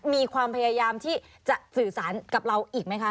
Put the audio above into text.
มีความพยายามที่จะสื่อสารกับเราอีกไหมคะ